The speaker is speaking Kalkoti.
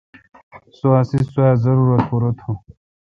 سو اسی سوا زارورت پورہ تھو۔